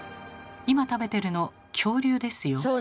今食べてるの恐竜ですよ。